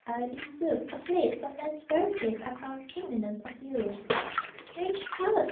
_ Aye, in sooth A palace, where men's weary days Are crowned with kingliness of youth. Strange palace!